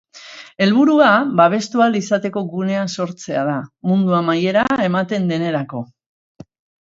Helburua, babestu ahal izateko gunea sortzea da, mundu amaiera ematen denerako.